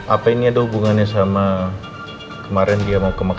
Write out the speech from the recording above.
apa ini aduh hubungannya sama kemarin dia mau negeri nindi